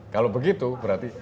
kalau begitu berarti datanglah